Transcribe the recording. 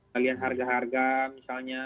bagian harga harga misalnya